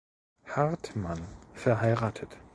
Hartmann verheiratet.